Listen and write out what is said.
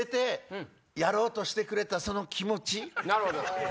なるほど。